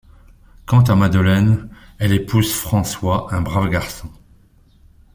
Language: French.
Quant à Madeleine, elle épouse François un brave garçon.